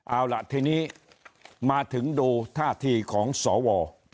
เอาล่ะทีนี้มาถึงดูท่าทีของสว